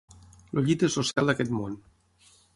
El llit és el cel d'aquest món.